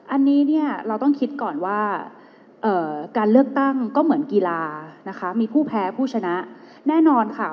อันนี้เนี่ยเราต้องคิดก่อนว่าการเลือกตั้งก็เหมือนกีฬานะคะมีผู้แพ้ผู้ชนะแน่นอนค่ะ